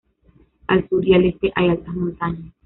Al sur y al este hay altas montañas.